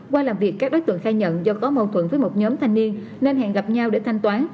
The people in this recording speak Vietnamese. qua làm việc các đối tượng khai nhận do có mâu thuẫn với một nhóm thanh niên nên hẹn gặp nhau để thanh toán